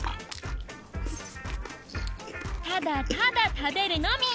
ただただ食べるのみ